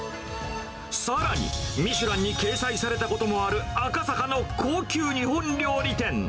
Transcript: さらに、ミシュランに掲載されたこともある赤坂の高級日本料理店。